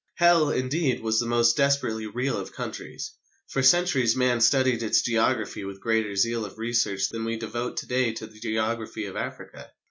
Hell, indeed, was the most desperately real of countries. For centuries men studied its geography with greater zeal of research than we devote to day to the geography of Africa.